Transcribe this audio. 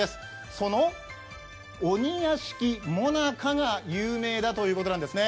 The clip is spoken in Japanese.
その鬼屋敷最中が有名だということなんですね。